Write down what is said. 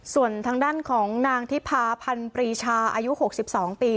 ส่วนทางด้านของนางทิพาพันธ์ปรีชาอายุ๖๒ปี